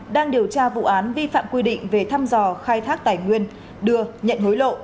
đang điều tra vụ án vi phạm quy định về thăm dò khai thác tài nguyên đưa nhận hối lộ